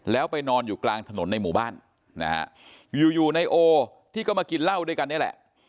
แล้วไปนอนอยู่กลางถนนในหมู่บ้านนะฮะอยู่อยู่ในโอที่ก็มากินเหล้าด้วยกันนี่แหละ